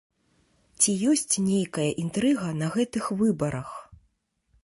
Ці ёсць нейкая інтрыга на гэтых выбарах?